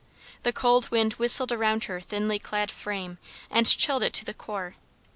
The cold wind whistled around her thinly clad frame and chilled it to the core.